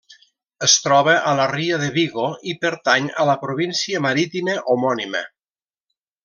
Es troba a la ria de Vigo i pertany a la província marítima homònima.